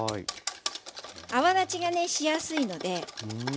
泡立ちがねしやすいので。